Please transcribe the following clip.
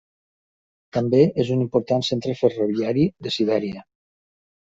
També és un important centre ferroviari de Sibèria.